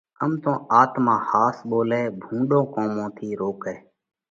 ڪم تو آتما ۿاس ٻولئھ، ڀُونڏون ڪومون ٿِي روڪئھ،